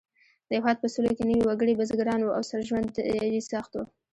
د هېواد په سلو کې نوي وګړي بزګران وو او ژوند یې سخت و.